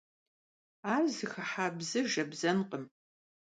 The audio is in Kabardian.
Ар зыхыхьа псы жэбзэнкъым.